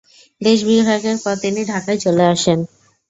দেশবিভাগের পর তিনি ঢাকায় চলে আসেন।